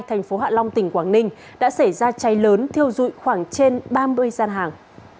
thành phố hạ long tỉnh quảng ninh đã xảy ra cháy lớn thiêu dụi khoảng trên ba mươi gian hàng